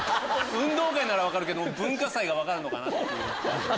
運動会なら分かるけども文化祭が分かるのかな？という。